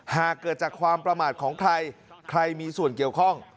หากเกิดจากความประมาทของใครใครมีส่วนเกี่ยวข้อง